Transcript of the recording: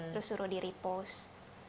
terus suruh di repost